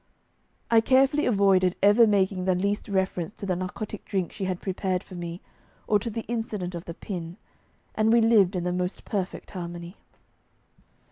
I carefully avoided ever making the least reference to the narcotic drink she had prepared for me, or to the incident of the pin, and we lived in the most perfect harmony.